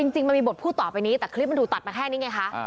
จริงมันมีบทพูดต่อไปนี้แต่คลิปมันถูกตัดมาแค่นี้ไงคะ